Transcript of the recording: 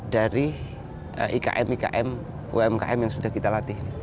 dari ikm ikm umkm yang sudah kita latih